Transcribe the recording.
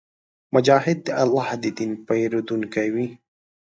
مجاهد د الله د دین پېرودونکی وي.